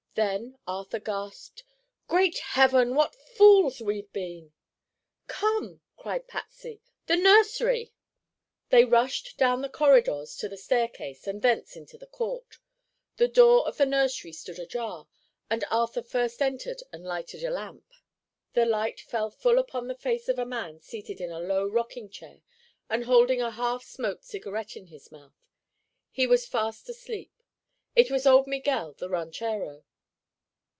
Then Arthur gasped: "Great heaven! what fools we've been." "Come!" cried Patsy. "The nursery." They rushed down the corridors to the staircase and thence into the court. The door of the nursery stood ajar and Arthur first entered and lighted a lamp. The light fell full upon the face of a man seated in a low rocking chair and holding a half smoked cigarette in his mouth. He was fast asleep. It was old Miguel, the ranchero.